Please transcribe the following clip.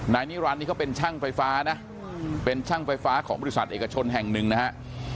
นิรันดิเขาเป็นช่างไฟฟ้านะเป็นช่างไฟฟ้าของบริษัทเอกชนแห่งหนึ่งนะฮะ